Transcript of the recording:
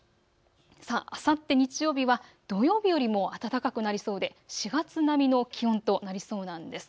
あさって日曜日は土曜日よりも暖かくなりそうで４月並みの気温となりそうなんです。